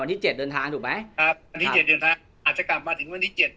ที่เจ็ดเดินทางถูกไหมครับวันที่เจ็ดเดินทางอาจจะกลับมาถึงวันที่เจ็ด